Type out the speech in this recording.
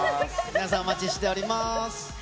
皆さん、お待ちしています。